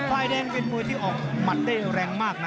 ฝ่ายแดงเป็นมวยที่ออกหมัดได้แรงมากนะ